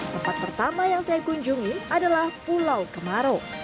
tempat pertama yang saya kunjungi adalah pulau kemaro